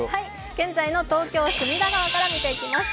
現在の東京・隅田川から見ていきましょう。